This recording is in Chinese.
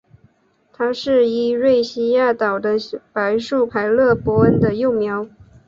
它是伊瑞西亚岛的白树凯勒博恩的幼苗。